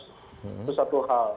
itu satu hal